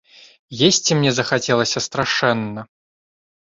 Есці мне захацелася страшэнна.